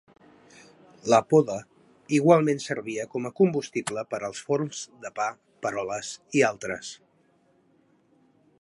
La poda igualment servia com combustible per als forns de pa, peroles i altres.